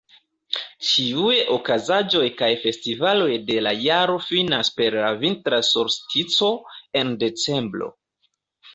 Ĉiuj okazaĵoj kaj festivaloj de la jaro finas per la Vintra solstico en Decembro.